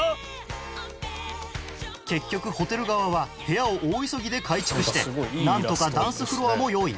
結局ホテル側は部屋を大急ぎで改築してなんとかダンスフロアも用意